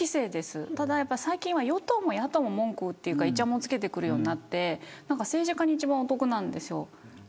ただ最近は与党も野党も文句というかいちゃもんつけてくるようになって政治家に一番お得なんです。